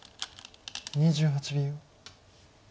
２８秒。